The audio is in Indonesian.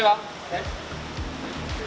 tidak ada ini yang